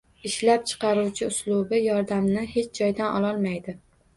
Ishlab chiqaruvchi uslubi yordamni hech joydan ololmaydi.